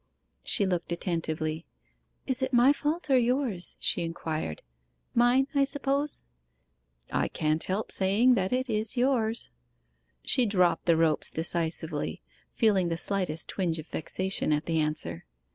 She looked attentively. 'Is it my fault or yours?' she inquired. 'Mine, I suppose?' 'I can't help saying that it is yours.' She dropped the ropes decisively, feeling the slightest twinge of vexation at the answer.